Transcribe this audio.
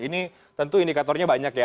ini tentu indikatornya banyak ya